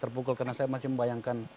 terpukul karena saya masih membayangkan